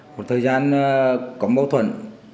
một thời gian có mâu thuẫn